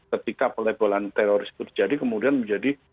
ketika pelebelan teroris itu terjadi kemudian menjadi